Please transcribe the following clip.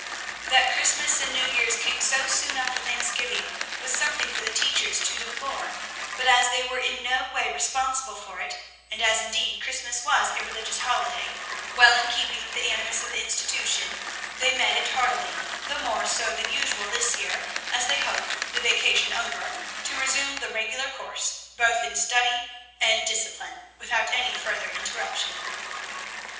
That Christmas and New Year's came so soon after Thanksgiving was something for the teachers to deplore; but as they were in no way responsible for it, and as indeed Christmas was a religious holiday, well in keeping with the animus of the institution, they met it heartily, the more so than usual this year, as they hoped, the vacation over, to resume the regular course, both in study and discipline, without any further interruption.